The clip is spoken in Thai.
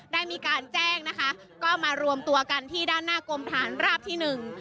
ได้มีการแจ้งนะคะก็มารวมตัวกันที่ด้านหน้ากรมฐานราบที่หนึ่ง